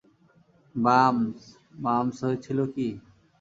Mum's, মামস হয়েছিল কি?